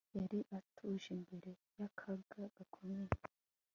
Yari atuje imbere yakaga gakomeye